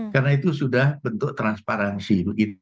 karena itu sudah bentuk transparansi